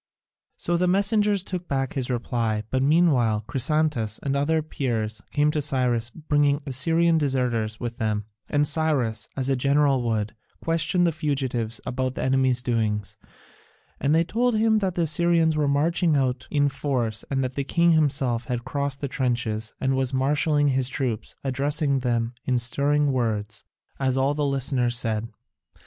So the messengers took back his reply, but meanwhile Chrysantas and certain other Peers came to Cyrus bringing Assyrian deserters with them, and Cyrus, as a general would, questioned the fugitives about the enemy's doings, and they told him that the Assyrians were marching out in force and that the king himself had crossed the trenches and was marshalling his troops, addressing them in stirring words, as all the listeners said.